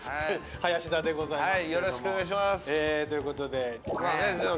林田でございます。